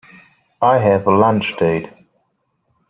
I have a lunch date.